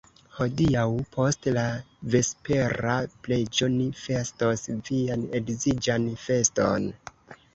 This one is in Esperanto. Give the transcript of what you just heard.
Hodiaŭ post la vespera preĝo ni festos vian edziĝan feston!